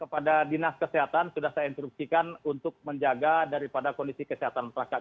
pada dinas kesehatan sudah saya instruksikan untuk menjaga daripada kondisi kesehatan masyarakat